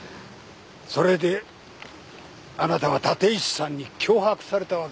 それであなたは立石さんに脅迫されたわけですね？